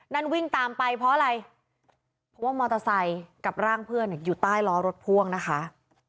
นั่นวิ่งตามไปเพราะอะไรเพราะว่ามอเตอร์ไซค์กับร่างเพื่อนอยู่ใต้ล้อรถพ่วงนะคะ